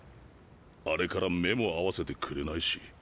あれから目も合わせてくれないし。